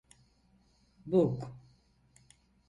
Bug